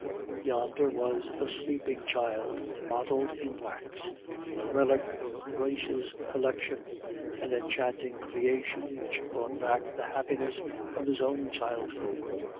Yonder was a sleeping child modeled in wax, a relic of Ruysch's collection, an enchanting creation which brought back the happiness of his own childhood.